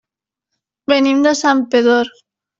Venim de Santpedor.